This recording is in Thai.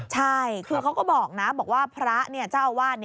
ใช่คือเขาก็บอกนะบอกว่าพระเจ้าอาวาส